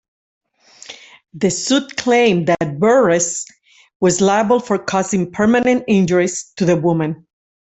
The suit claimed that Burress was liable for causing permanent injuries to the woman.